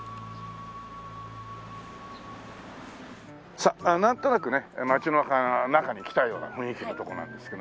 さっなんとなくね街の中に来たような雰囲気のとこなんですけど。